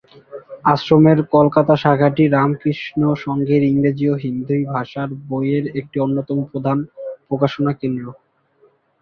আশ্রমের কলকাতা শাখাটি রামকৃষ্ণ সংঘের ইংরেজি ও হিন্দি ভাষার বইয়ের একটি অন্যতম প্রধান প্রকাশনা কেন্দ্র।